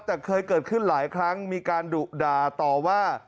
แต่เคยเกิดขึ้นหลายครั้งมีการดุด่าต่อว่า